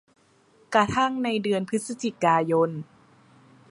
กระทั่งในเดือนพฤศจิกายน